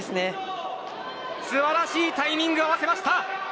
素晴らしいタイミング合わせました。